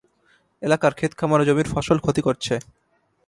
এলাকার খেতখামার ও জমির ফসল ক্ষতি করছে।